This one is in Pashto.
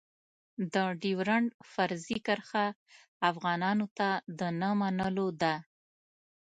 د ډېورنډ فرضي کرښه افغانانو ته د نه منلو ده.